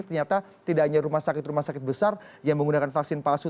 ternyata tidak hanya rumah sakit rumah sakit besar yang menggunakan vaksin palsu